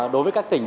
đối với các tỉnh